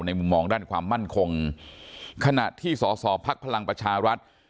ในมุมมองด้านความมั่นคงขณะที่สสภพลังประชารัฐ